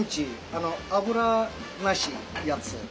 あの脂なしやつ。